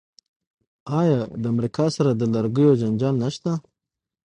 آیا د امریکا سره د لرګیو جنجال نشته؟